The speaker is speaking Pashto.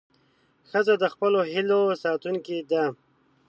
ښځه د خپلو هیلې ساتونکې ده.